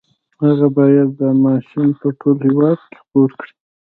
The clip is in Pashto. هغه بايد دا ماشين په ټول هېواد کې خپور کړي.